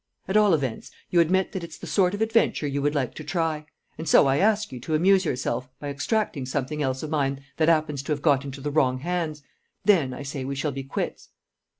"At all events you admit that it's the sort of adventure you would like to try. And so I ask you to amuse yourself by abstracting something else of mine that 'appens to have got into the wrong hands; then, I say, we shall be quits."